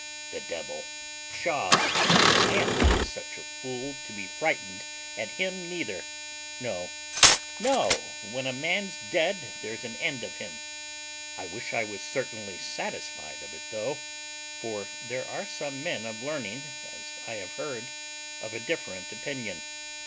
The devil! Pshaw! I am not such a fool to be frightened at him neither. No, no; when a man's dead there's an end of him. I wish I was certainly satisfied of it though: for there are some men of learning, as I have heard, of a different opinion.